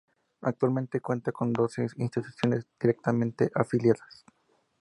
Actualmente cuenta con doce instituciones directamente afiliadas.